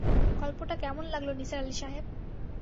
গল্পটা কেমন লাগল নিসার আলি সাহেব?